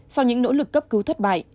sau những nỗ lực cấp cứu thất bại